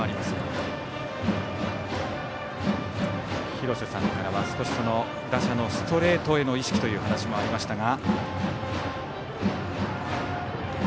廣瀬さんからは打者のストレートへの意識という話もありましたが。